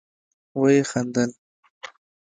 ويې خندل.